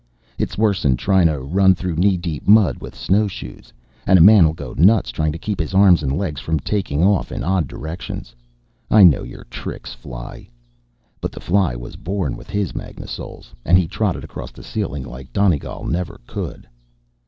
It's worse'n trying to run through knee deep mud with snow shoes, and a man'll go nuts trying to keep his arms and legs from taking off in odd directions. I know your tricks, fly. But the fly was born with his magnasoles, and he trotted across the ceiling like Donegal never could.